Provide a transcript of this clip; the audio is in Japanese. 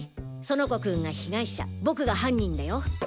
園子君が被害者僕が犯人だよ。